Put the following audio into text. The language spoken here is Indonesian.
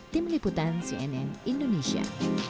tim liputan cnn indonesia